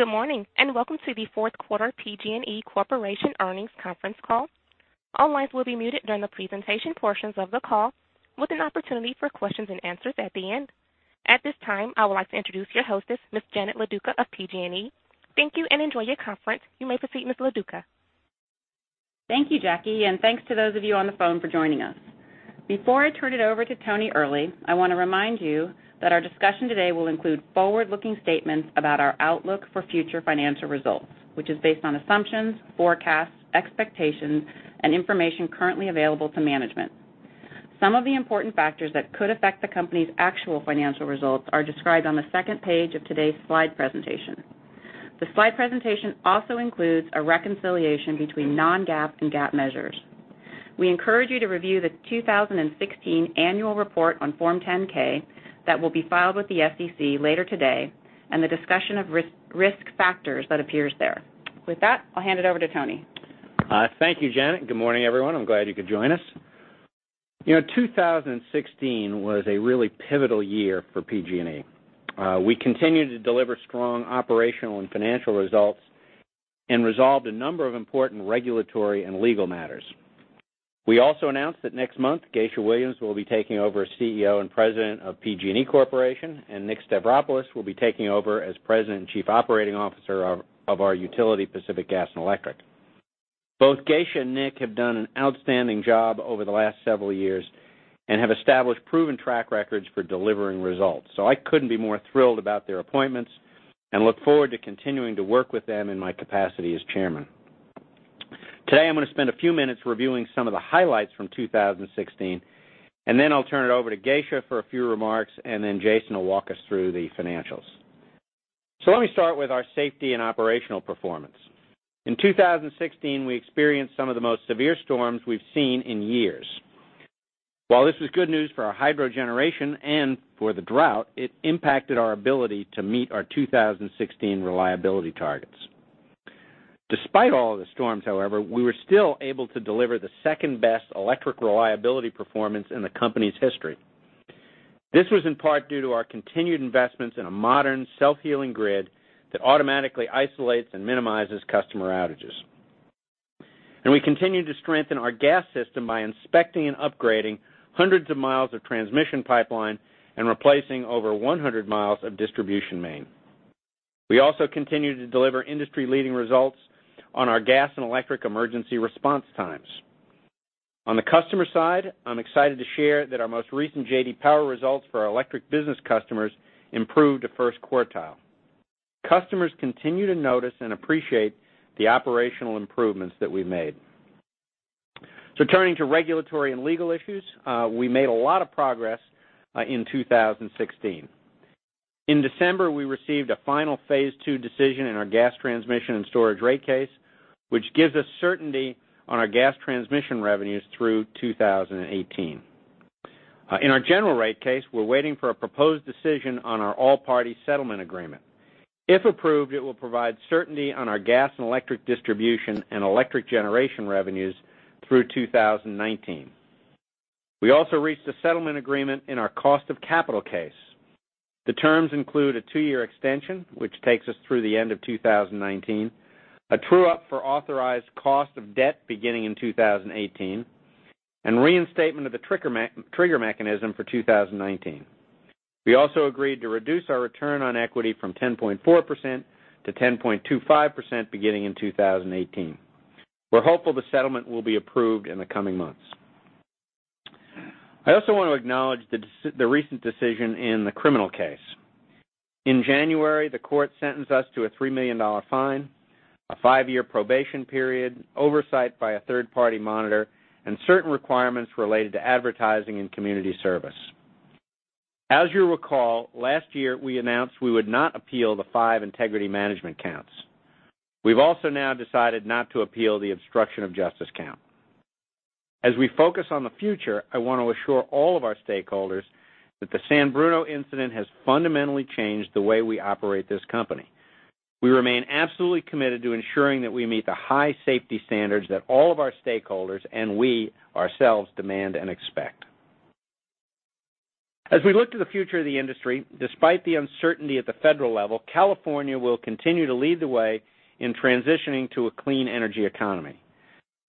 Good morning, welcome to the fourth quarter PG&E Corporation earnings conference call. All lines will be muted during the presentation portions of the call, with an opportunity for questions and answers at the end. At this time, I would like to introduce your hostess, Ms. Janet Loduca of PG&E. Thank you, enjoy your conference. You may proceed, Ms. Loduca. Thank you, Jackie, thanks to those of you on the phone for joining us. Before I turn it over to Tony Earley, I want to remind you that our discussion today will include forward-looking statements about our outlook for future financial results, which is based on assumptions, forecasts, expectations, and information currently available to management. Some of the important factors that could affect the company's actual financial results are described on the second page of today's slide presentation. The slide presentation also includes a reconciliation between non-GAAP and GAAP measures. We encourage you to review the 2016 annual report on Form 10-K that will be filed with the SEC later today and the discussion of risk factors that appears there. With that, I'll hand it over to Tony. Thank you, Janet. Good morning, everyone. I'm glad you could join us. 2016 was a really pivotal year for PG&E. We continued to deliver strong operational and financial results and resolved a number of important regulatory and legal matters. We also announced that next month, Geisha Williams will be taking over as CEO and President of PG&E Corporation, and Nick Stavropoulos will be taking over as President and Chief Operating Officer of our utility, Pacific Gas and Electric. Both Geisha and Nick have done an outstanding job over the last several years and have established proven track records for delivering results. I couldn't be more thrilled about their appointments and look forward to continuing to work with them in my capacity as chairman. Today, I'm going to spend a few minutes reviewing some of the highlights from 2016, I'll turn it over to Geisha for a few remarks, Jason will walk us through the financials. Let me start with our safety and operational performance. In 2016, we experienced some of the most severe storms we've seen in years. While this was good news for our hydro generation and for the drought, it impacted our ability to meet our 2016 reliability targets. Despite all of the storms, however, we were still able to deliver the second-best electric reliability performance in the company's history. This was in part due to our continued investments in a modern self-healing grid that automatically isolates and minimizes customer outages. We continue to strengthen our gas system by inspecting and upgrading hundreds of miles of transmission pipeline and replacing over 100 miles of distribution main. We also continue to deliver industry-leading results on our gas and electric emergency response times. On the customer side, I'm excited to share that our most recent J.D. Power results for our electric business customers improved to first quartile. Customers continue to notice and appreciate the operational improvements that we've made. Turning to regulatory and legal issues, we made a lot of progress in 2016. In December, we received a final phase two decision in our gas transmission and storage rate case, which gives us certainty on our gas transmission revenues through 2018. In our general rate case, we're waiting for a proposed decision on our all-party settlement agreement. If approved, it will provide certainty on our gas and electric distribution and electric generation revenues through 2019. We also reached a settlement agreement in our cost of capital case. The terms include a two-year extension, which takes us through the end of 2019, a true-up for authorized cost of debt beginning in 2018, and reinstatement of the trigger mechanism for 2019. We also agreed to reduce our return on equity from 10.4% to 10.25% beginning in 2018. We're hopeful the settlement will be approved in the coming months. I also want to acknowledge the recent decision in the criminal case. In January, the court sentenced us to a $3 million fine, a five-year probation period, oversight by a third-party monitor, and certain requirements related to advertising and community service. As you recall, last year, we announced we would not appeal the five integrity management counts. We've also now decided not to appeal the obstruction of justice count. As we focus on the future, I want to assure all of our stakeholders that the San Bruno incident has fundamentally changed the way we operate this company. We remain absolutely committed to ensuring that we meet the high safety standards that all of our stakeholders and we ourselves demand and expect. As we look to the future of the industry, despite the uncertainty at the federal level, California will continue to lead the way in transitioning to a clean energy economy.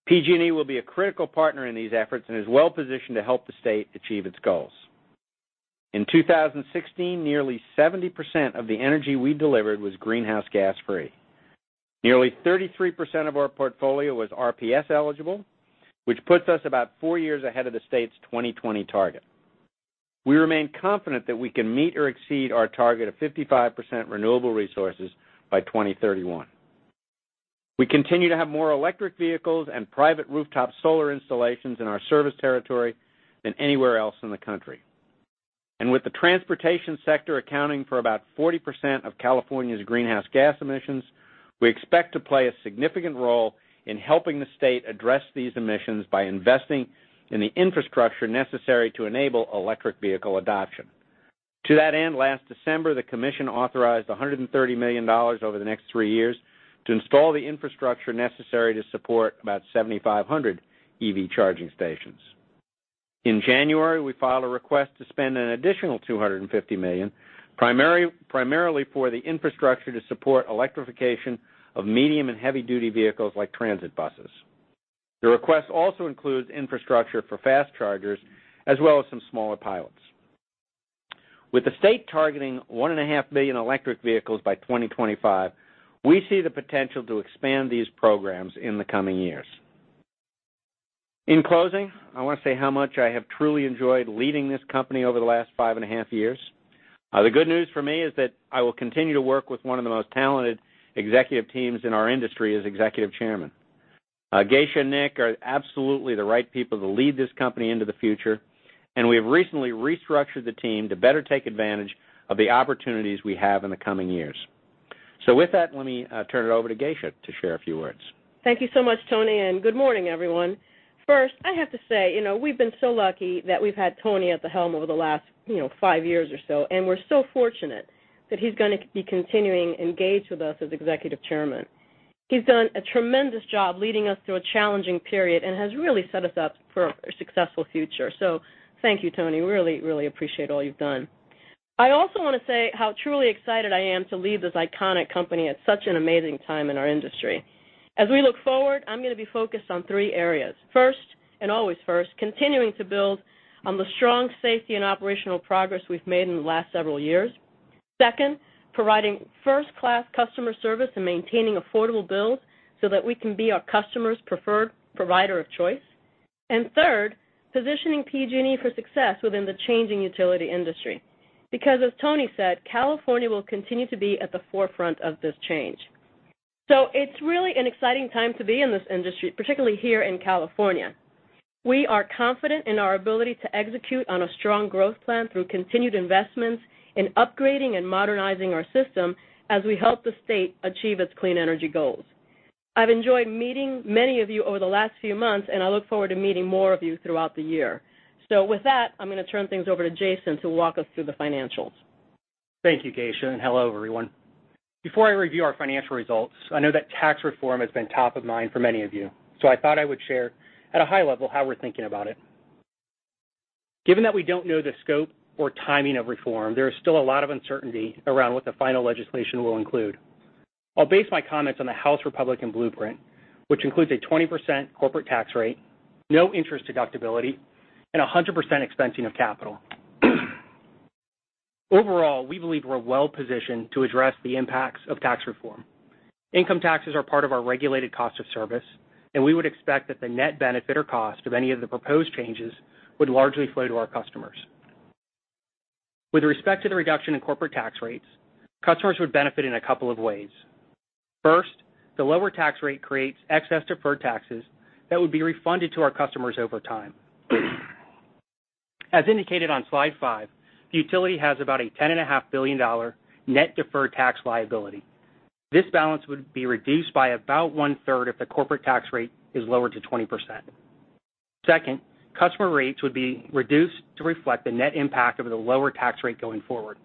PG&E will be a critical partner in these efforts and is well-positioned to help the state achieve its goals. In 2016, nearly 70% of the energy we delivered was greenhouse gas-free. Nearly 33% of our portfolio was RPS eligible, which puts us about four years ahead of the state's 2020 target. We remain confident that we can meet or exceed our target of 55% renewable resources by 2031. We continue to have more electric vehicles and private rooftop solar installations in our service territory than anywhere else in the country. With the transportation sector accounting for about 40% of California's greenhouse gas emissions, we expect to play a significant role in helping the state address these emissions by investing in the infrastructure necessary to enable electric vehicle adoption. To that end, last December, the commission authorized $130 million over the next three years to install the infrastructure necessary to support about 7,500 EV charging stations. In January, we filed a request to spend an additional $250 million, primarily for the infrastructure to support electrification of medium and heavy-duty vehicles like transit buses. The request also includes infrastructure for fast chargers, as well as some smaller pilots. With the state targeting 1.5 million electric vehicles by 2025, we see the potential to expand these programs in the coming years. In closing, I want to say how much I have truly enjoyed leading this company over the last 5.5 years. The good news for me is that I will continue to work with one of the most talented executive teams in our industry as executive chairman. Geisha and Nick are absolutely the right people to lead this company into the future, and we have recently restructured the team to better take advantage of the opportunities we have in the coming years. With that, let me turn it over to Geisha to share a few words. Thank you so much, Tony, and good morning, everyone. First, I have to say, we've been so lucky that we've had Tony at the helm over the last five years or so, and we're so fortunate that he's going to be continuing engaged with us as executive chairman. He's done a tremendous job leading us through a challenging period and has really set us up for a successful future. Thank you, Tony. Really, really appreciate all you've done. I also want to say how truly excited I am to lead this iconic company at such an amazing time in our industry. As we look forward, I'm going to be focused on three areas. First, and always first, continuing to build on the strong safety and operational progress we've made in the last several years. Second, providing first-class customer service and maintaining affordable bills so that we can be our customers' preferred provider of choice. Third, positioning PG&E for success within the changing utility industry. Because as Tony said, California will continue to be at the forefront of this change. It's really an exciting time to be in this industry, particularly here in California. We are confident in our ability to execute on a strong growth plan through continued investments in upgrading and modernizing our system as we help the state achieve its clean energy goals. I've enjoyed meeting many of you over the last few months, and I look forward to meeting more of you throughout the year. With that, I'm going to turn things over to Jason to walk us through the financials. Thank you, Geisha, and hello, everyone. Before I review our financial results, I know that tax reform has been top of mind for many of you, I thought I would share at a high level how we're thinking about it. Given that we don't know the scope or timing of reform, there is still a lot of uncertainty around what the final legislation will include. I'll base my comments on the House Republican blueprint, which includes a 20% corporate tax rate, no interest deductibility, and 100% expensing of capital. Overall, we believe we're well-positioned to address the impacts of tax reform. Income taxes are part of our regulated cost of service, we would expect that the net benefit or cost of any of the proposed changes would largely flow to our customers. With respect to the reduction in corporate tax rates, customers would benefit in a couple of ways. First, the lower tax rate creates excess deferred taxes that would be refunded to our customers over time. As indicated on slide five, the utility has about a $10.5 billion net deferred tax liability. This balance would be reduced by about one-third if the corporate tax rate is lowered to 20%. Second, customer rates would be reduced to reflect the net impact of the lower tax rate going forward.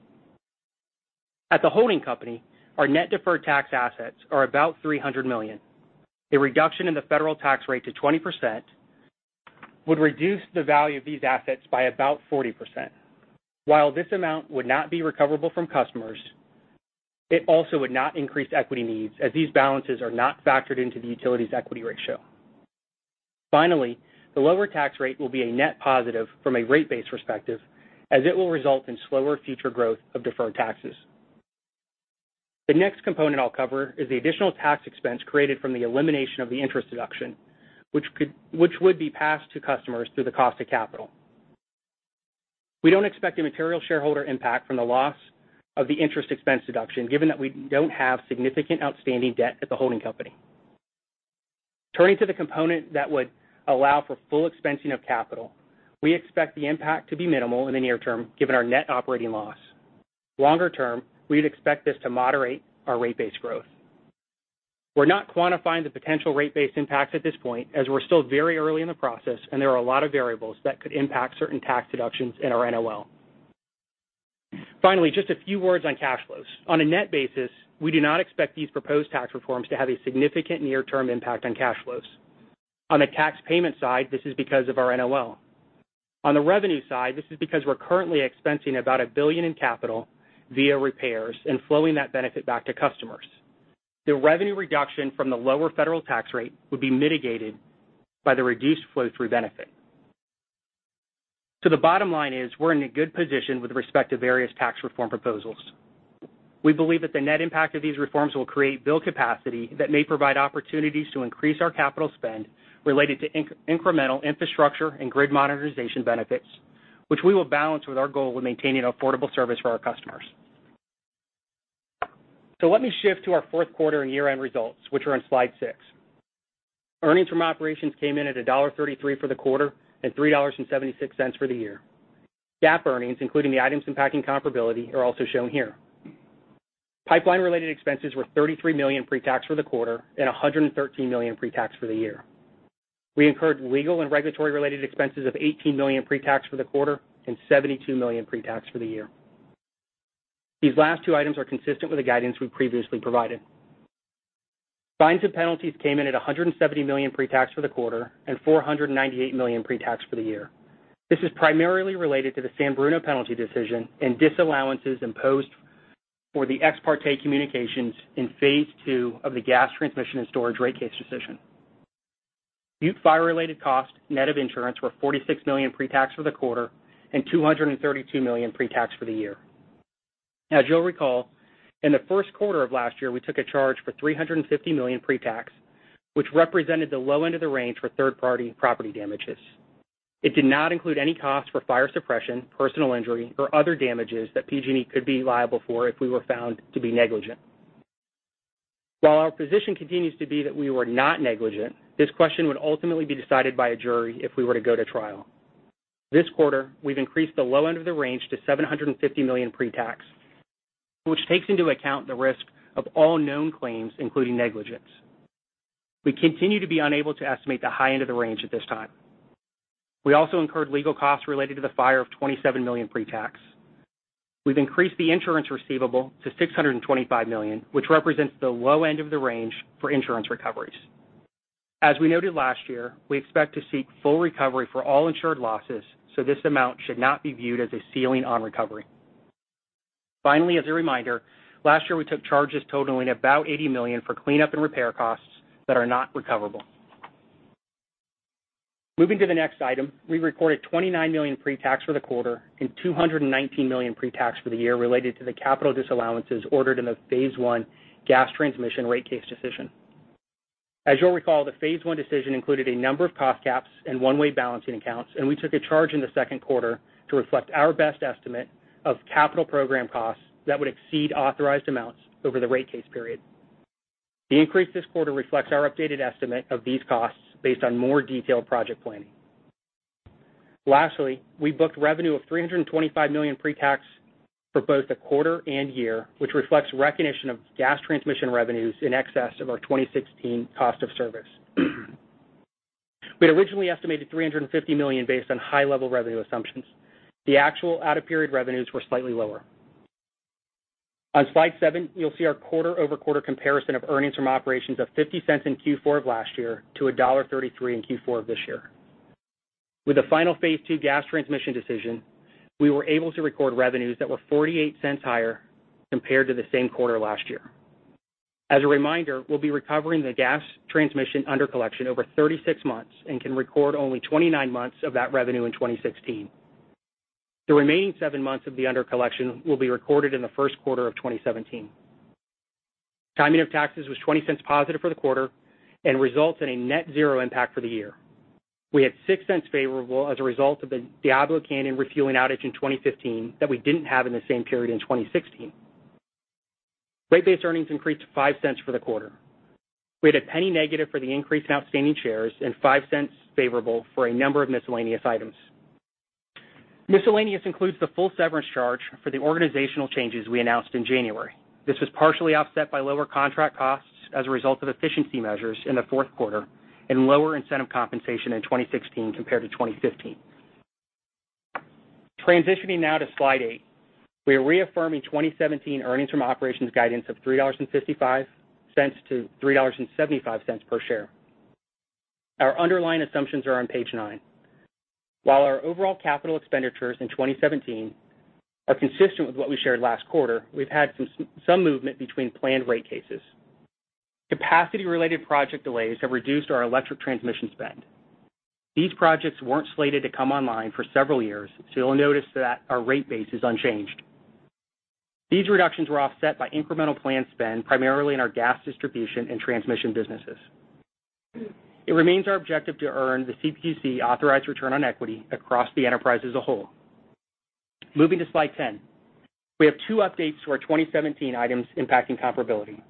At the holding company, our net deferred tax assets are about $300 million. A reduction in the federal tax rate to 20% would reduce the value of these assets by about 40%. While this amount would not be recoverable from customers, it also would not increase equity needs as these balances are not factored into the utility's equity ratio. The lower tax rate will be a net positive from a rate base perspective, as it will result in slower future growth of deferred taxes. The next component I'll cover is the additional tax expense created from the elimination of the interest deduction, which would be passed to customers through the cost of capital. We don't expect a material shareholder impact from the loss of the interest expense deduction, given that we don't have significant outstanding debt at the holding company. Turning to the component that would allow for full expensing of capital, we expect the impact to be minimal in the near term, given our net operating loss. Longer term, we'd expect this to moderate our rate base growth. We're not quantifying the potential rate base impacts at this point, as we're still very early in the process and there are a lot of variables that could impact certain tax deductions in our NOL. Just a few words on cash flows. On a net basis, we do not expect these proposed tax reforms to have a significant near-term impact on cash flows. On the tax payment side, this is because of our NOL. On the revenue side, this is because we're currently expensing about $1 billion in capital via repairs and flowing that benefit back to customers. The revenue reduction from the lower federal tax rate would be mitigated by the reduced flow-through benefit. The bottom line is we're in a good position with respect to various tax reform proposals. We believe that the net impact of these reforms will create bill capacity that may provide opportunities to increase our capital spend related to incremental infrastructure and grid modernization benefits, which we will balance with our goal of maintaining affordable service for our customers. Let me shift to our fourth quarter and year-end results, which are on slide six. Earnings from operations came in at $1.33 for the quarter and $3.76 for the year. GAAP earnings, including the items impacting comparability, are also shown here. Pipeline-related expenses were $33 million pre-tax for the quarter and $113 million pre-tax for the year. We incurred legal and regulatory-related expenses of $18 million pre-tax for the quarter and $72 million pre-tax for the year. These last two items are consistent with the guidance we previously provided. Fines and penalties came in at $170 million pre-tax for the quarter and $498 million pre-tax for the year. This is primarily related to the San Bruno penalty decision and disallowances imposed for the ex parte communications in phase two of the gas transmission and storage rate case decision. Butte Fire-related costs, net of insurance, were $46 million pre-tax for the quarter and $232 million pre-tax for the year. As you'll recall, in the first quarter of last year, we took a charge for $350 million pre-tax, which represented the low end of the range for third-party property damages. It did not include any costs for fire suppression, personal injury, or other damages that PG&E could be liable for if we were found to be negligent. While our position continues to be that we were not negligent, this question would ultimately be decided by a jury if we were to go to trial. This quarter, we've increased the low end of the range to $750 million pre-tax, which takes into account the risk of all known claims, including negligence. We continue to be unable to estimate the high end of the range at this time. We also incurred legal costs related to the fire of $27 million pre-tax. We've increased the insurance receivable to $625 million, which represents the low end of the range for insurance recoveries. As we noted last year, we expect to seek full recovery for all insured losses, so this amount should not be viewed as a ceiling on recovery. Finally, as a reminder, last year, we took charges totaling about $80 million for cleanup and repair costs that are not recoverable. Moving to the next item, we recorded $29 million pre-tax for the quarter and $219 million pre-tax for the year related to the capital disallowances ordered in the phase one gas transmission rate case decision. As you'll recall, the phase one decision included a number of cost caps and one-way balancing accounts, and we took a charge in the second quarter to reflect our best estimate of capital program costs that would exceed authorized amounts over the rate case period. The increase this quarter reflects our updated estimate of these costs based on more detailed project planning. Lastly, we booked revenue of $325 million pre-tax for both the quarter and year, which reflects recognition of gas transmission revenues in excess of our 2016 cost of service. We had originally estimated $350 million based on high-level revenue assumptions. The actual out-of-period revenues were slightly lower. On slide seven, you'll see our quarter-over-quarter comparison of earnings from operations of $0.50 in Q4 of last year to $1.33 in Q4 of this year. With the final phase two gas transmission decision, we were able to record revenues that were $0.48 higher compared to the same quarter last year. As a reminder, we'll be recovering the gas transmission under-collection over 36 months and can record only 29 months of that revenue in 2016. The remaining seven months of the under-collection will be recorded in the first quarter of 2017. Timing of taxes was $0.20 positive for the quarter and results in a net zero impact for the year. We had $0.06 favorable as a result of the Diablo Canyon refueling outage in 2015 that we didn't have in the same period in 2016. Rate-based earnings increased to $0.05 for the quarter. We had $0.01 negative for the increased outstanding shares and $0.05 favorable for a number of miscellaneous items. Miscellaneous includes the full severance charge for the organizational changes we announced in January. This was partially offset by lower contract costs as a result of efficiency measures in the fourth quarter and lower incentive compensation in 2016 compared to 2015. Transitioning now to slide eight, we are reaffirming 2017 earnings from operations guidance of $3.55 to $3.75 per share. Our underlying assumptions are on page nine. While our overall capital expenditures in 2017 are consistent with what we shared last quarter, we've had some movement between planned rate cases. Capacity-related project delays have reduced our electric transmission spend. These projects weren't slated to come online for several years, so you'll notice that our rate base is unchanged. These reductions were offset by incremental planned spend, primarily in our gas distribution and transmission businesses. It remains our objective to earn the CPUC-authorized return on equity across the enterprise as a whole. Moving to slide 10. We have two updates to our 2017 items impacting comparability.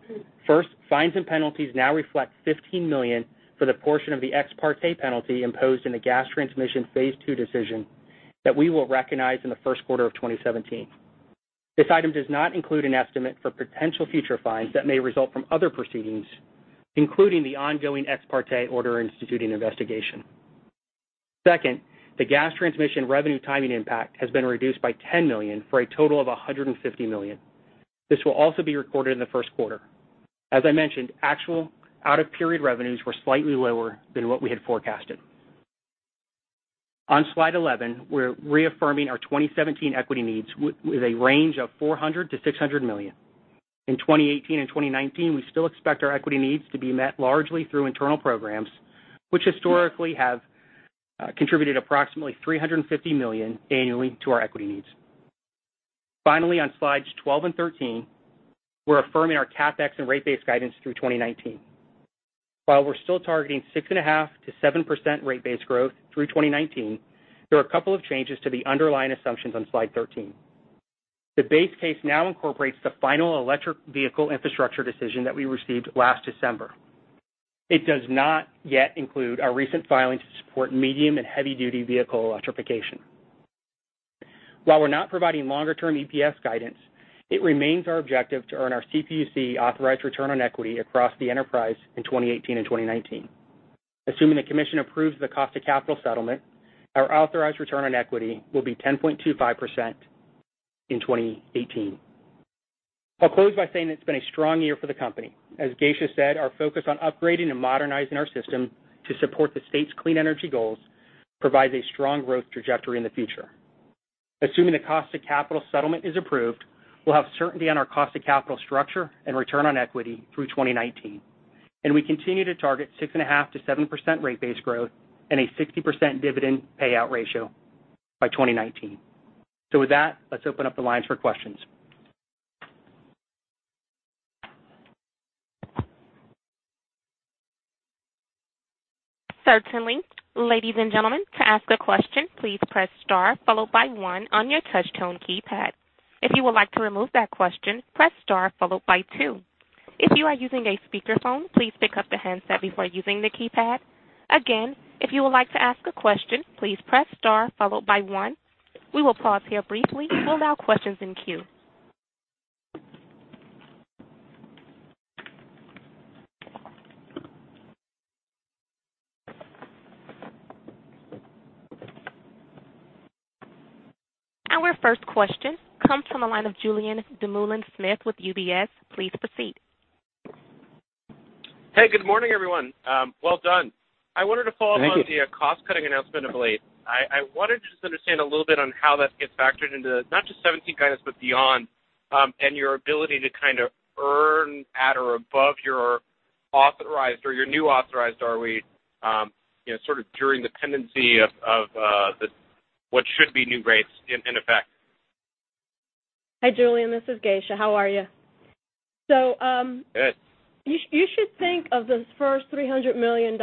First, fines and penalties now reflect $15 million for the portion of the ex parte penalty imposed in the gas transmission phase 2 decision that we will recognize in the first quarter of 2017. This item does not include an estimate for potential future fines that may result from other proceedings, including the ongoing ex parte order instituting investigation. Second, the gas transmission revenue timing impact has been reduced by $10 million for a total of $150 million. This will also be recorded in the first quarter. As I mentioned, actual out-of-period revenues were slightly lower than what we had forecasted. On slide 11, we're reaffirming our 2017 equity needs with a range of $400 million-$600 million. In 2018 and 2019, we still expect our equity needs to be met largely through internal programs, which historically have contributed approximately $350 million annually to our equity needs. Finally, on slides 12 and 13, we're affirming our CapEx and rate base guidance through 2019. While we're still targeting 6.5%-7% rate base growth through 2019, there are a couple of changes to the underlying assumptions on slide 13. The base case now incorporates the final electric vehicle infrastructure decision that we received last December. It does not yet include our recent filings to support medium and heavy-duty vehicle electrification. While we're not providing longer-term EPS guidance, it remains our objective to earn our CPUC-authorized return on equity across the enterprise in 2018 and 2019. Assuming the commission approves the cost of capital settlement, our authorized return on equity will be 10.25%. In 2018. I'll close by saying it's been a strong year for the company. As Geisha said, our focus on upgrading and modernizing our system to support the state's clean energy goals provides a strong growth trajectory in the future. Assuming the cost of capital settlement is approved, we'll have certainty on our cost of capital structure and return on equity through 2019. We continue to target 6.5%-7% rate base growth and a 60% dividend payout ratio by 2019. With that, let's open up the lines for questions. Certainly. Ladies and gentlemen, to ask a question, please press star followed by one on your touch tone keypad. If you would like to remove that question, press star followed by two. If you are using a speakerphone, please pick up the handset before using the keypad. Again, if you would like to ask a question, please press star followed by one. We will pause here briefly while we allow questions in queue. Our first question comes from the line of Julien Dumoulin-Smith with UBS. Please proceed. Hey, good morning, everyone. Well done. Thank you. I wanted to follow up on the cost-cutting announcement of late. I wanted to just understand a little bit on how that gets factored into not just 2017 guidance, but beyond, and your ability to kind of earn at or above your authorized or your new authorized ROE, sort of during the pendency of what should be new rates in effect. Hi, Julien. This is Geisha. How are you? Good. You should think of the first $300 million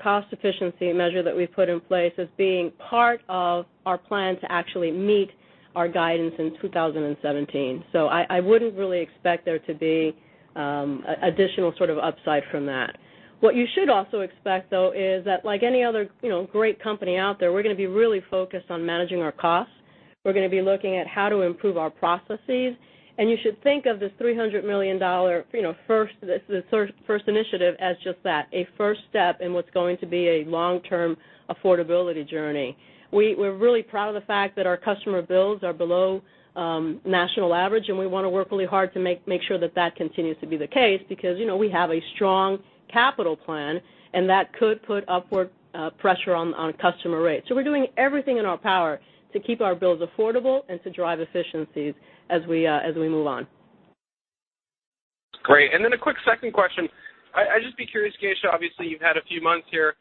cost efficiency measure that we've put in place as being part of our plan to actually meet our guidance in 2017. I wouldn't really expect there to be additional sort of upside from that. What you should also expect, though, is that like any other great company out there, we're going to be really focused on managing our costs. We're going to be looking at how to improve our processes. You should think of this $300 million first initiative as just that, a first step in what's going to be a long-term affordability journey. We're really proud of the fact that our customer bills are below national average, and we want to work really hard to make sure that that continues to be the case because we have a strong capital plan, and that could put upward pressure on customer rates. We're doing everything in our power to keep our bills affordable and to drive efficiencies as we move on. Great. Then a quick second question. I'd just be curious, Geisha, obviously, you've had a few months here.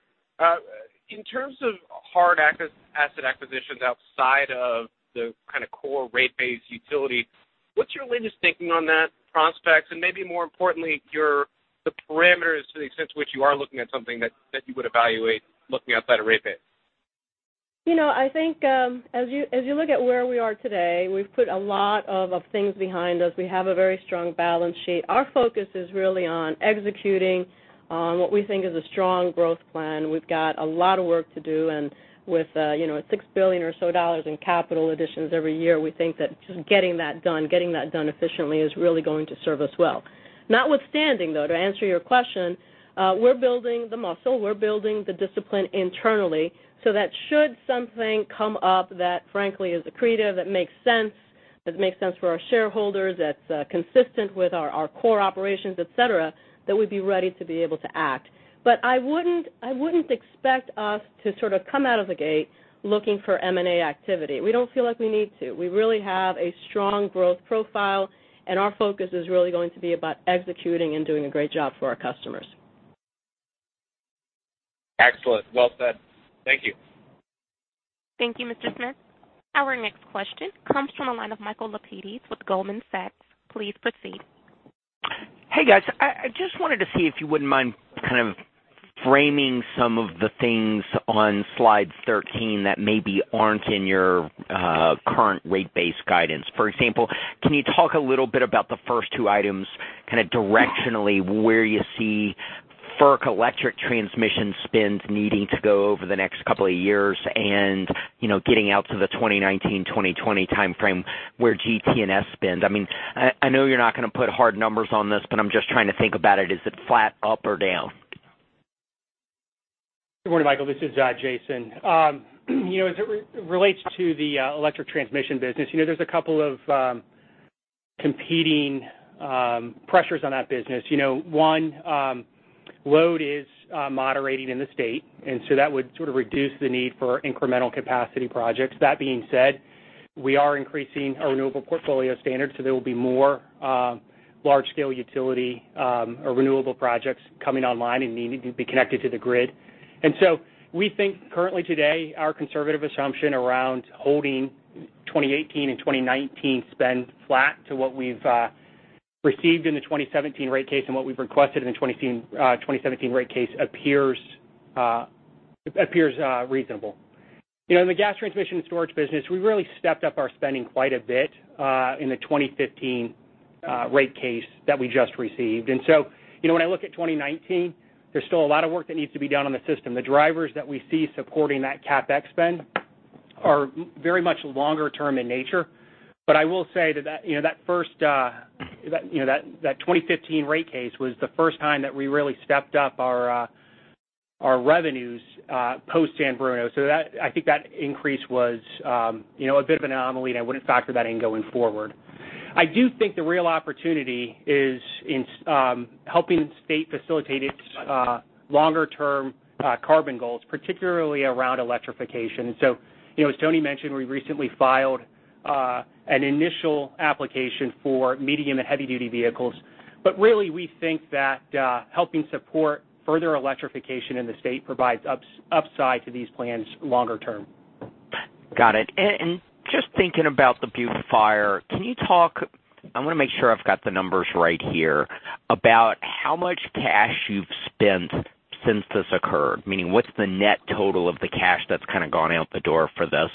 In terms of hard asset acquisitions outside of the kind of core rate base utility, what's your latest thinking on that prospects, and maybe more importantly, the parameters to the extent to which you are looking at something that you would evaluate looking outside a rate base? I think as you look at where we are today, we've put a lot of things behind us. We have a very strong balance sheet. Our focus is really on executing on what we think is a strong growth plan. We've got a lot of work to do, and with $6 billion or so dollars in capital additions every year, we think that just getting that done efficiently is really going to serve us well. Notwithstanding, though, to answer your question, we're building the muscle, we're building the discipline internally, so that should something come up that frankly is accretive, that makes sense, that makes sense for our shareholders, that's consistent with our core operations, et cetera, that we'd be ready to be able to act. I wouldn't expect us to sort of come out of the gate looking for M&A activity. We don't feel like we need to. We really have a strong growth profile, and our focus is really going to be about executing and doing a great job for our customers. Excellent. Well said. Thank you. Thank you, Mr. Smith. Our next question comes from the line of Michael Lapides with Goldman Sachs. Please proceed. Hey, guys. I just wanted to see if you wouldn't mind kind of framing some of the things on slide 13 that maybe aren't in your current rate base guidance. For example, can you talk a little bit about the first two items, kind of directionally where you see FERC electric transmission spends needing to go over the next couple of years and getting out to the 2019, 2020 timeframe where GT&S spends? I know you're not going to put hard numbers on this, but I'm just trying to think about it. Is it flat, up, or down? Good morning, Michael. This is Jason. As it relates to the electric transmission business, there's a couple of competing pressures on that business. One, load is moderating in the state, so that would sort of reduce the need for incremental capacity projects. That being said, we are increasing our renewable portfolio standards, so there will be more large-scale utility or renewable projects coming online and needing to be connected to the grid. We think currently today, our conservative assumption around holding 2018 and 2019 spend flat to what we've received in the 2017 rate case and what we've requested in the 2017 rate case appears reasonable. In the gas transmission and storage business, we really stepped up our spending quite a bit in the 2015 rate case that we just received. When I look at 2019, there's still a lot of work that needs to be done on the system. The drivers that we see supporting that CapEx spend are very much longer term in nature. I will say that that 2015 rate case was the first time that we really stepped up Our revenues post San Bruno. I think that increase was a bit of an anomaly, and I wouldn't factor that in going forward. I do think the real opportunity is in helping the state facilitate its longer-term carbon goals, particularly around electrification. As Tony mentioned, we recently filed an initial application for medium and heavy-duty vehicles. Really, we think that helping support further electrification in the state provides upside to these plans longer term. Got it. Just thinking about the Butte Fire, can you talk, I want to make sure I've got the numbers right here, about how much cash you've spent since this occurred? Meaning, what's the net total of the cash that's kind of gone out the door for this?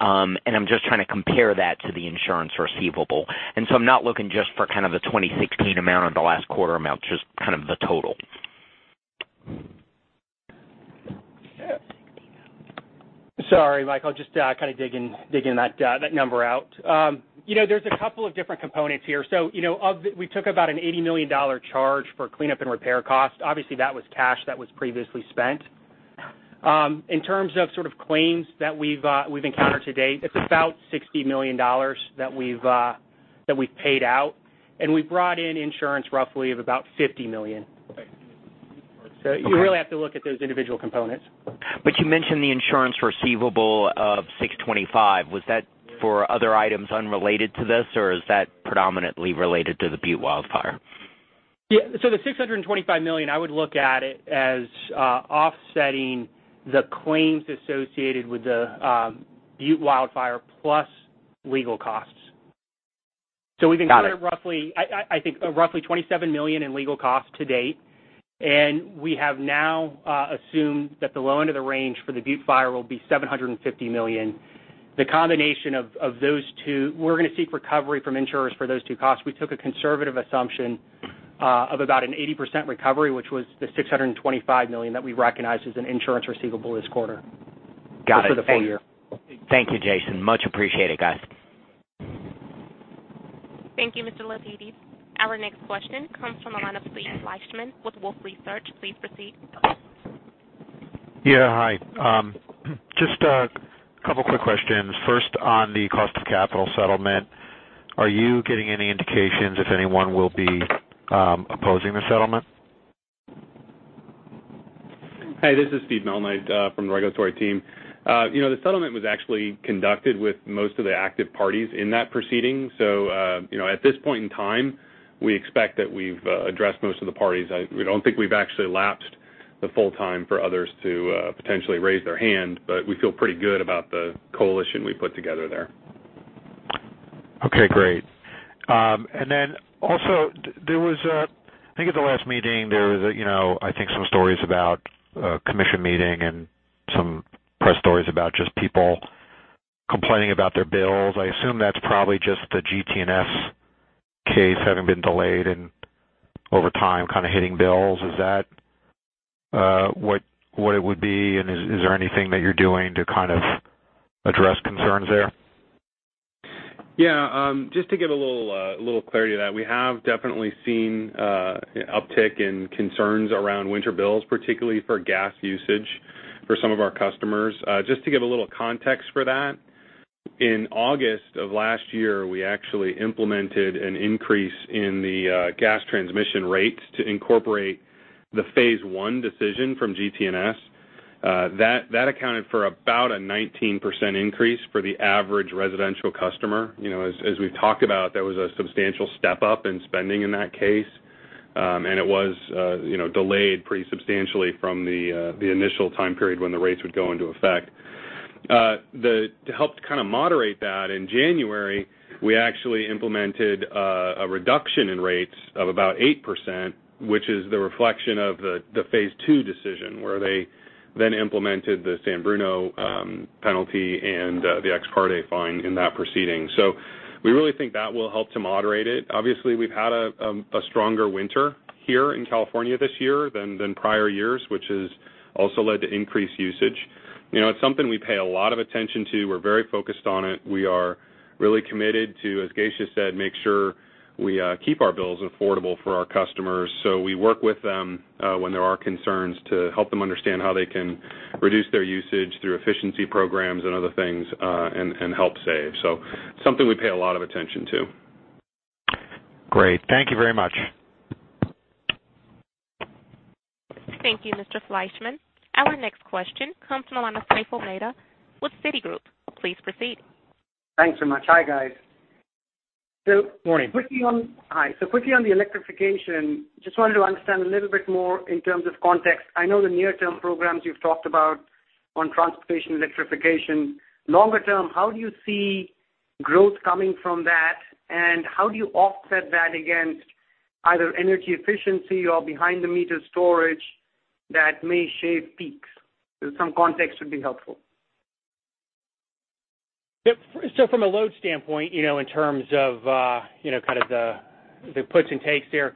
I'm just trying to compare that to the insurance receivable. I'm not looking just for kind of the 2016 amount or the last quarter amount, just kind of the total. Sorry, Mike. I'll just kind of dig in that number out. There's a couple of different components here. We took about an $80 million charge for cleanup and repair costs. Obviously, that was cash that was previously spent. In terms of sort of claims that we've encountered to date, it's about $60 million that we've paid out. We've brought in insurance roughly of about $50 million. Okay. You really have to look at those individual components. You mentioned the insurance receivable of $625 million. Was that for other items unrelated to this, or is that predominantly related to the Butte wildfire? Yeah. The $625 million, I would look at it as offsetting the claims associated with the Butte wildfire plus legal costs. Got it. We've incurred roughly, I think roughly $27 million in legal costs to date, and we have now assumed that the low end of the range for the Butte Fire will be $750 million. The combination of those two, we're going to seek recovery from insurers for those two costs. We took a conservative assumption of about an 80% recovery, which was the $625 million that we recognized as an insurance receivable this quarter. Got it. for the full year. Thank you, Jason. Much appreciated, guys. Thank you, Mr. Lapides. Our next question comes from the line of Steve Fleishman with Wolfe Research. Please proceed. Yeah, hi. Just a couple quick questions. First, on the cost of capital settlement, are you getting any indications if anyone will be opposing the settlement? Hi, this is Steve Malnight from the regulatory team. The settlement was actually conducted with most of the active parties in that proceeding. At this point in time, we expect that we've addressed most of the parties. We don't think we've actually lapsed the full time for others to potentially raise their hand, but we feel pretty good about the coalition we put together there. Okay, great. At the last meeting, there was some stories about a Commission meeting and some press stories about just people complaining about their bills. I assume that's probably just the GT&S case having been delayed and over time kind of hitting bills. Is that what it would be? Is there anything that you're doing to kind of address concerns there? Yeah. Just to give a little clarity to that, we have definitely seen an uptick in concerns around winter bills, particularly for gas usage for some of our customers. Just to give a little context for that, in August of last year, we actually implemented an increase in the gas transmission rates to incorporate the phase one decision from GT&S. That accounted for about a 19% increase for the average residential customer. As we've talked about, that was a substantial step up in spending in that case. It was delayed pretty substantially from the initial time period when the rates would go into effect. To help to kind of moderate that, in January, we actually implemented a reduction in rates of about 8%, which is the reflection of the phase two decision, where they then implemented the San Bruno penalty and the ex parte fine in that proceeding. We really think that will help to moderate it. Obviously, we've had a stronger winter here in California this year than prior years, which has also led to increased usage. It's something we pay a lot of attention to. We're very focused on it. We are really committed to, as Geisha said, make sure we keep our bills affordable for our customers. We work with them when there are concerns to help them understand how they can reduce their usage through efficiency programs and other things and help save. Something we pay a lot of attention to. Great. Thank you very much. Thank you, Mr. Fleishman. Our next question comes from the line of Praful Mehta with Citigroup. Please proceed. Thanks so much. Hi, guys. Morning. Hi. Quickly on the electrification, just wanted to understand a little bit more in terms of context. I know the near-term programs you've talked about on transportation electrification. Longer term, how do you see growth coming from that, and how do you offset that against either energy efficiency or behind-the-meter storage that may shave peaks? Some context would be helpful. From a load standpoint, in terms of kind of the puts and takes there,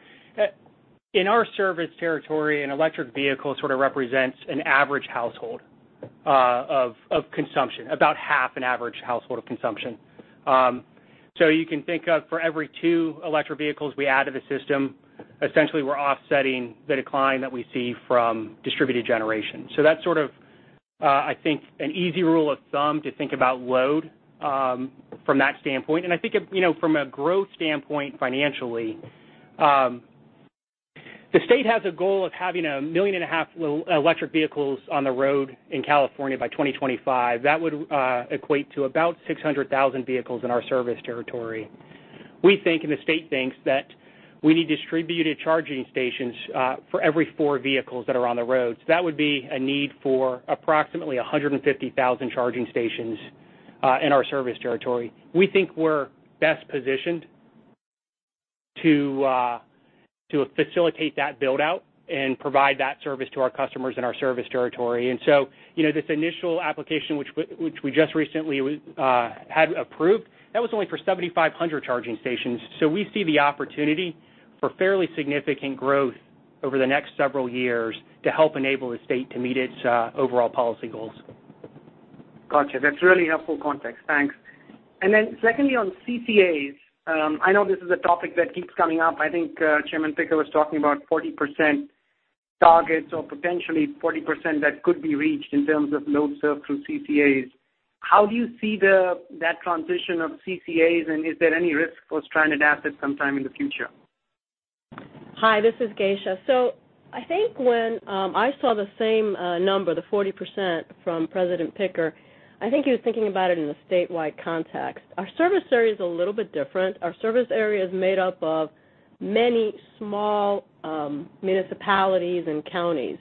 in our service territory, an electric vehicle sort of represents an average household of consumption, about half an average household of consumption. You can think of for every two electric vehicles we add to the system, essentially we're offsetting the decline that we see from distributed generation. That's an easy rule of thumb to think about load from that standpoint. I think from a growth standpoint, financially, the state has a goal of having 1.5 million electric vehicles on the road in California by 2025. That would equate to about 600,000 vehicles in our service territory. We think, and the state thinks, that we need distributed charging stations for every four vehicles that are on the road. That would be a need for approximately 150,000 charging stations in our service territory. We think we're best positioned to facilitate that build-out and provide that service to our customers in our service territory. This initial application, which we just recently had approved, that was only for 7,500 charging stations. We see the opportunity for fairly significant growth over the next several years to help enable the state to meet its overall policy goals. Got you. That's really helpful context. Thanks. Secondly, on CCAs, I know this is a topic that keeps coming up. I think Chairman Picker was talking about 40% targets or potentially 40% that could be reached in terms of load served through CCAs. How do you see that transition of CCAs, and is there any risk for stranded assets sometime in the future? Hi, this is Geisha. I think when I saw the same number, the 40%, from President Picker, I think he was thinking about it in a statewide context. Our service area is a little bit different. Our service area is made up of many small municipalities and counties.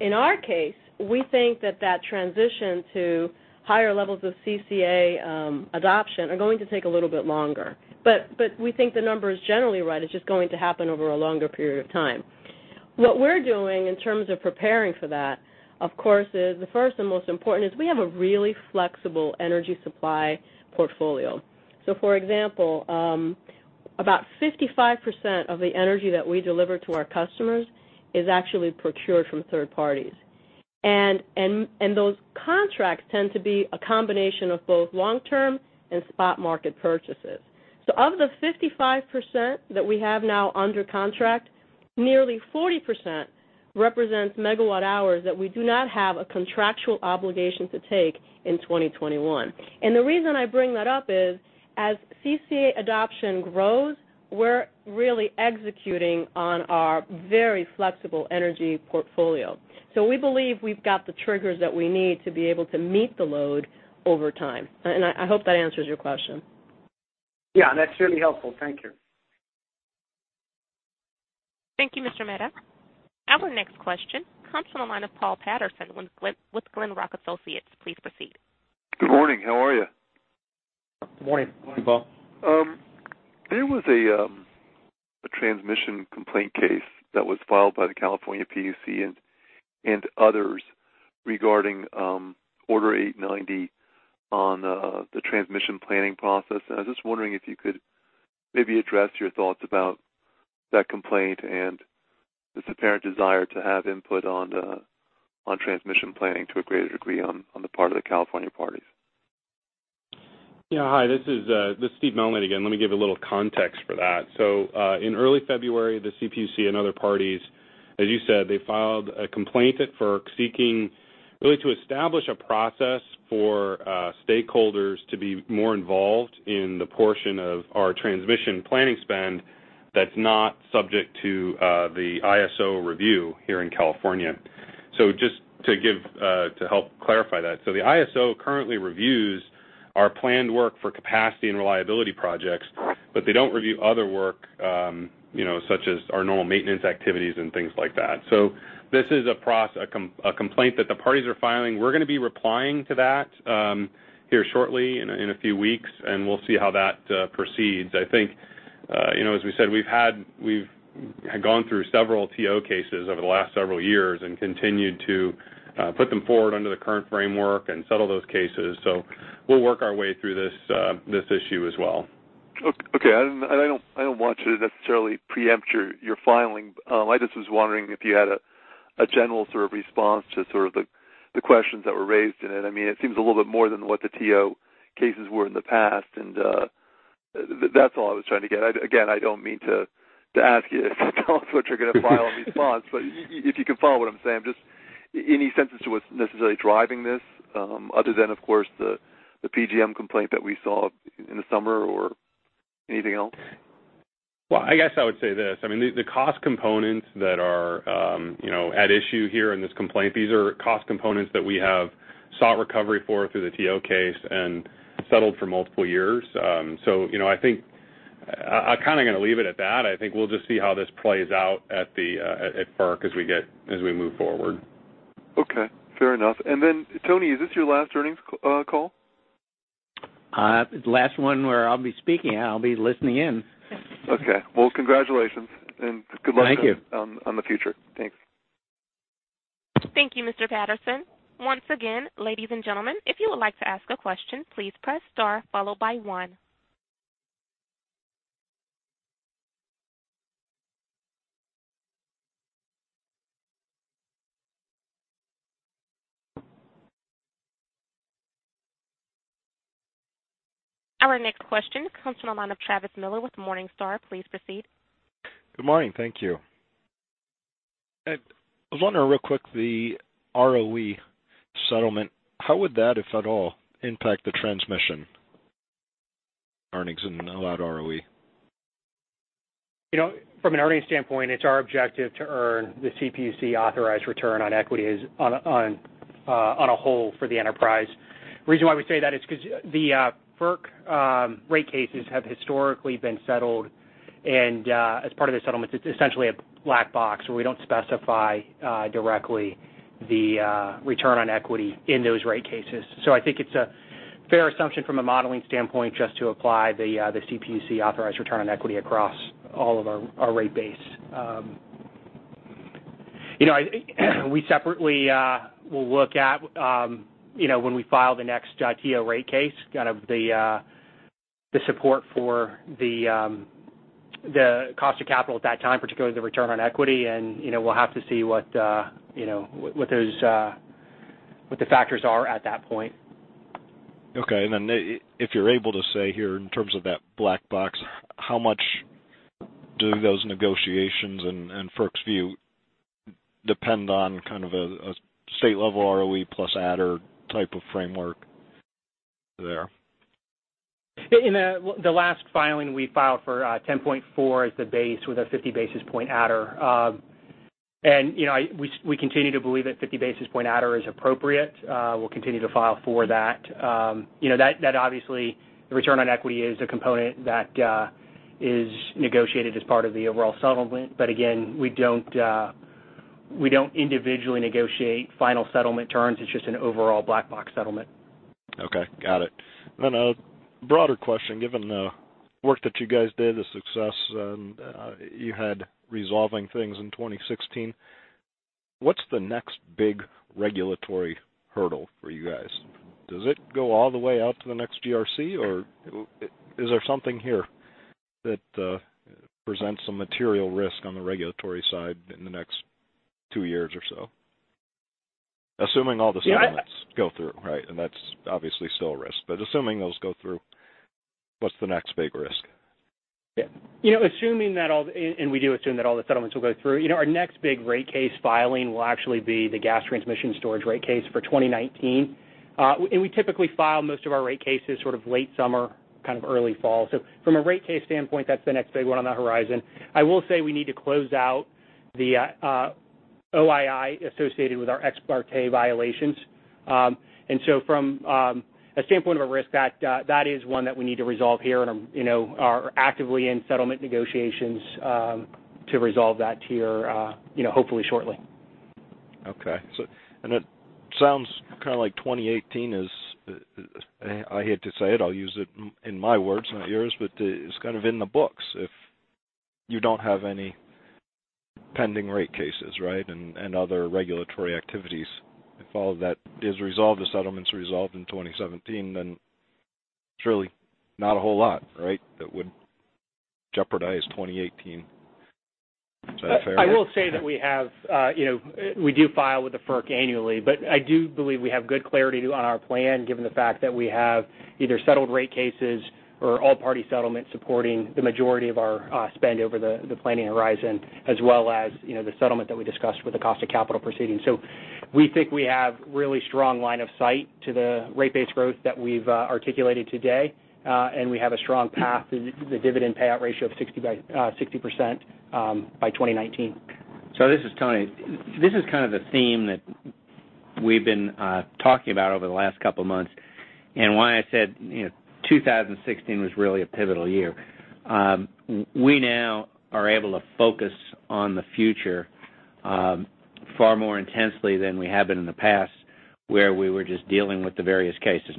In our case, we think that that transition to higher levels of CCA adoption are going to take a little bit longer, but we think the number is generally right. It's just going to happen over a longer period of time. What we're doing in terms of preparing for that, of course, is the first and most important is we have a really flexible energy supply portfolio. For example, about 55% of the energy that we deliver to our customers is actually procured from third parties. Those contracts tend to be a combination of both long-term and spot market purchases. Of the 55% that we have now under contract, nearly 40% represents megawatt hours that we do not have a contractual obligation to take in 2021. The reason I bring that up is, as CCA adoption grows, we're really executing on our very flexible energy portfolio. We believe we've got the triggers that we need to be able to meet the load over time. I hope that answers your question. Yeah, that's really helpful. Thank you. Thank you, Mr. Mehta. Our next question comes from the line of Paul Patterson with Glenrock Associates. Please proceed. Good morning. How are you? Morning. Morning, Paul. There was a transmission complaint case that was filed by the CPUC and others regarding Order No. 890 on the transmission planning process. I was just wondering if you could maybe address your thoughts about that complaint and this apparent desire to have input on transmission planning to a greater degree on the part of the California parties. Hi, this is Steve Malnight again. Let me give a little context for that. In early February, the CPUC and other parties, as you said, they filed a complaint for seeking really to establish a process for stakeholders to be more involved in the portion of our transmission planning spend that's not subject to the ISO review here in California. Just to help clarify that, the ISO currently reviews our planned work for capacity and reliability projects, but they don't review other work, such as our normal maintenance activities and things like that. This is a complaint that the parties are filing. We're going to be replying to that here shortly, in a few weeks, and we'll see how that proceeds. I think, as we said, we've gone through several TO cases over the last several years and continued to put them forward under the current framework and settle those cases. We'll work our way through this issue as well. I don't want to necessarily preempt your filing. I just was wondering if you had a general response to the questions that were raised in it. It seems a little bit more than what the TO cases were in the past. That's all I was trying to get at. Again, I don't mean to ask you what you're going to file in response. If you can follow what I'm saying, just any sense as to what's necessarily driving this, other than, of course, the PG&E complaint that we saw in the summer or anything else? Well, I guess I would say this, the cost components that are at issue here in this complaint, these are cost components that we have sought recovery for through the TO case and settled for multiple years. I think I'm kind of going to leave it at that. I think we'll just see how this plays out at FERC as we move forward. Okay. Fair enough. Tony, is this your last earnings call? Last one where I'll be speaking. I'll be listening in. Okay. Well, congratulations and good luck. Thank you. on the future. Thanks. Thank you, Mr. Patterson. Once again, ladies and gentlemen, if you would like to ask a question, please press star followed by one. Our next question comes from the line of Travis Miller with Morningstar. Please proceed. Good morning. Thank you. I was wondering real quick, the ROE settlement, how would that, if at all, impact the transmission earnings and the allowed ROE? From an earnings standpoint, it's our objective to earn the CPUC-authorized return on equity on a whole for the enterprise. The reason why we say that is because the FERC rate cases have historically been settled, and as part of the settlements, it's essentially a black box where we don't specify directly the return on equity in those rate cases. I think it's a fair assumption from a modeling standpoint just to apply the CPUC-authorized return on equity across all of our rate base. We separately will look at when we file the next TO rate case, kind of the support for the cost of capital at that time, particularly the return on equity, and we'll have to see what the factors are at that point. Okay. If you're able to say here in terms of that black box, how much do those negotiations and FERC's view depend on kind of a state-level ROE plus adder type of framework there? In the last filing, we filed for 10.4 as the base with a 50 basis point adder. We continue to believe that 50 basis point adder is appropriate. We'll continue to file for that. That obviously, the return on equity is a component that is negotiated as part of the overall settlement. Again, we don't individually negotiate final settlement terms. It's just an overall black box settlement. Okay. Got it. A broader question, given the work that you guys did, the success you had resolving things in 2016, what's the next big regulatory hurdle for you guys? Does it go all the way out to the next GRC, or is there something here that presents some material risk on the regulatory side in the next two years or so? Assuming all the settlements go through, right? That's obviously still a risk, but assuming those go through, what's the next big risk? Yeah. Assuming that all the settlements will go through, our next big rate case filing will actually be the gas transmission storage rate case for 2019. We typically file most of our rate cases sort of late summer, kind of early fall. From a rate case standpoint, that's the next big one on the horizon. I will say we need to close out the OII associated with our ex parte violations. From a standpoint of a risk, that is one that we need to resolve here and are actively in settlement negotiations to resolve that tier hopefully shortly. Okay. It sounds kind of like 2018 is, I hate to say it, I'll use it in my words, not yours, but it's kind of in the books if you don't have any pending rate cases, right? Other regulatory activities. If all of that is resolved, the settlement's resolved in 2017, it's really not a whole lot, right? That would jeopardize 2018. Is that fair? I will say that we do file with the FERC annually, but I do believe we have good clarity on our plan, given the fact that we have either settled rate cases or all-party settlement supporting the majority of our spend over the planning horizon, as well as the settlement that we discussed with the cost of capital proceeding. We think we have really strong line of sight to the rate base growth that we've articulated today. We have a strong path to the dividend payout ratio of 60% by 2019. This is Tony. This is kind of the theme that we've been talking about over the last couple of months, and why I said 2016 was really a pivotal year. We now are able to focus on the future far more intensely than we have been in the past, where we were just dealing with the various cases.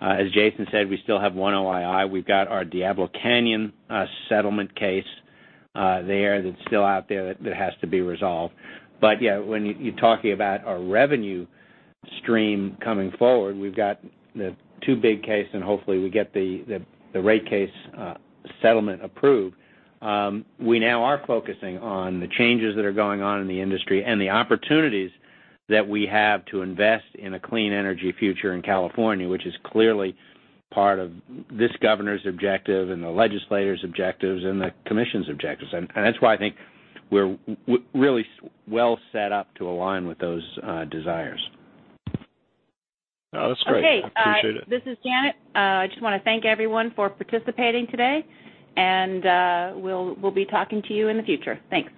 As Jason said, we still have one OII. We've got our Diablo Canyon settlement case there that's still out there that has to be resolved. When you're talking about our revenue stream coming forward, we've got the two big cases, hopefully we get the rate case settlement approved. We now are focusing on the changes that are going on in the industry and the opportunities that we have to invest in a clean energy future in California, which is clearly part of this governor's objective and the legislators' objectives and the commission's objectives. That's why I think we're really well set up to align with those desires. That's great. I appreciate it. Okay. This is Janet. I just want to thank everyone for participating today, and we'll be talking to you in the future. Thanks.